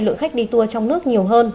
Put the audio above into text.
lượng khách đi tour trong nước nhiều hơn